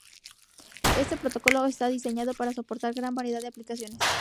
Este protocolo está diseñado para soportar gran variedad de aplicaciones.